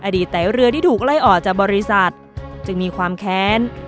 ไตเรือที่ถูกไล่ออกจากบริษัทจึงมีความแค้น